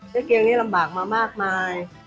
เจ๊เกียงนี้ลำบากมามากมาย